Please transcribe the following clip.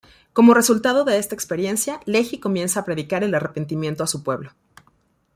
Como resultado de esta experiencia, Lehi comienza a predicar el arrepentimiento a su pueblo.